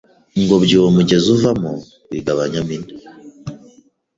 ngobyi uwo mugezi uvamo wigabanyamo ine